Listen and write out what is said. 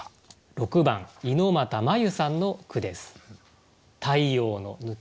６番猪俣ま悠さんの句です。